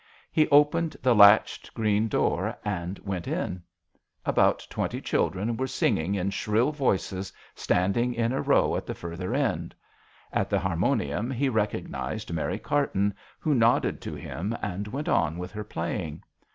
He opened the latched green door and went in. About twenty children were singing in shrill voices standing in a row at the further end. At the harmonium he recognized Mary Carton, who nodded to him and went on with her playing.